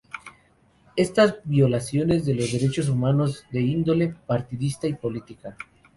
Estas violaciones de los derechos humanos de índole partidista y política.